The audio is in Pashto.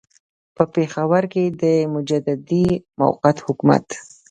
په پېښور کې د مجددي موقت حکومت.